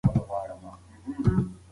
که باران نه وي، فصلونه به وچ شي.